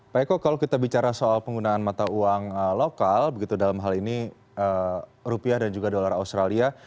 pak eko kalau kita bicara soal penggunaan mata uang lokal dalam hal ini rupiah dan juga dolar australia